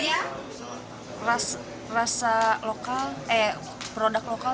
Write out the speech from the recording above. iya rasa lokal eh produk lokal